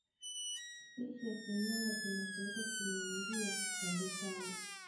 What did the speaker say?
Spishi ya kinyonga kinachoitwa Kinyongia tavetana